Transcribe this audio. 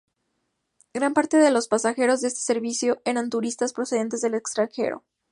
Gran parte de los pasajeros de este servicio eran turistas, procedentes del extranjero.